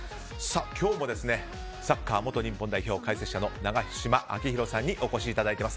今日もサッカー元日本代表の永島昭浩さんにお越しいただいています。